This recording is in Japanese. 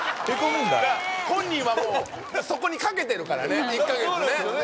本人はもうそこにかけてるからね１カ月ねそうなんですよね